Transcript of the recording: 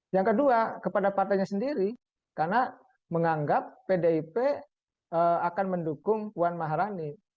yang kedua kepada partainya sendiri karena menganggap pdip akan mendukung puan maharani